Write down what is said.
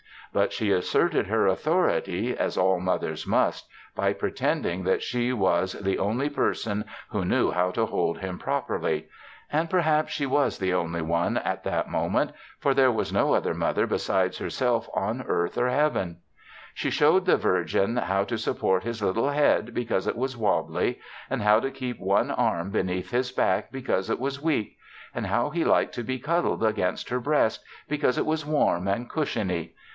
But she asserted her authority, as all mothers must, by pretending that she was the only person who knew how to hold him properly. And perhaps she was the only one at that moment, for there was no other mother besides herself in earth or Heaven. She showed the Virgin how to support his little head because it was wobbly; and how to keep one arm beneath his back because it was weak; and how he liked to be cuddled against her breast because it was warm and cushiony.